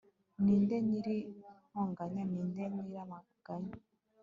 ni nde nyir'intonganya? ni nde nyir'amaganya